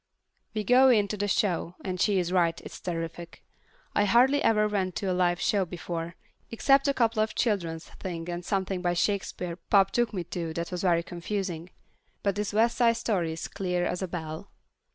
We go in to the show, and she is right, it's terrific. I hardly ever went to a live show before, except a couple of children's things and something by Shakespeare Pop took me to that was very confusing. But this West Side Story is clear as a bell.